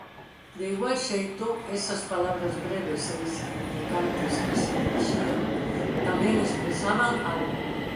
De igual xeito, esas palabras breves e insignificantes que se dirixían tamén expresaban algo.